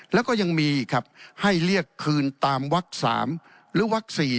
แล้วก็ยังมีอีกครับให้เรียกคืนตามวัก๓หรือวัก๔